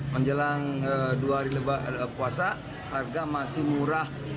menjelang dua hari puasa harga masih murah